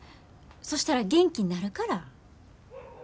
そしたら元気になるから。